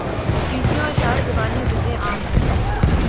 بیسیوں اشعار زبانِ زدِ عام ہیں